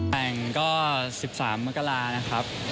แต่งก็๑๓มกรานะครับ